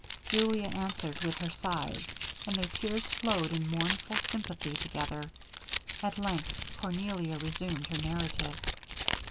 Julia answered with her sighs, and their tears flowed in mournful sympathy together. At length Cornelia resumed her narrative.